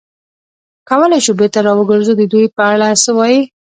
کولای شو بېرته را وګرځو، د دوی په اړه څه وایې؟